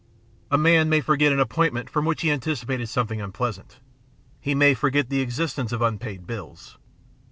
A man may forget an appointment from which he anticipated something un pleasant, he may forget the existence of impaid bills.